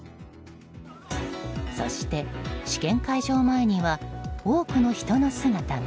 そして、試験会場前には多くの人の姿が。